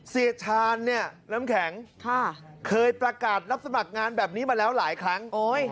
เสียชาญเนี่ยน้ำแข็งเคยประกาศรับสมัครงานแบบนี้มาแล้วหลายครั้ง